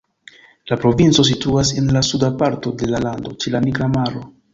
La provinco situas en la suda parto de la lando, ĉe la Nigra Maro.